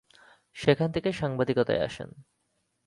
সেখান থেকে সাংবাদিকতায় আসেন।